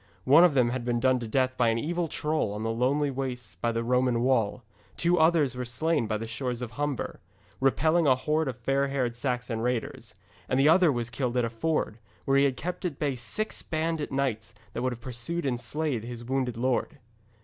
One of them had been done to death by an evil troll on the lonely wastes by the Roman wall, two others were slain by the shores of Humber, repelling a horde of fair haired Saxon raiders, and the other was killed at a ford, where he had kept at bay six bandit knights that would have pursued and slain his wounded lord.